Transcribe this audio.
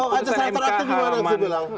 oh aja saya teraktif gimana sih bilang